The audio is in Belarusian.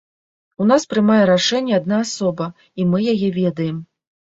У нас прымае рашэнні адна асоба, і мы яе ведаем.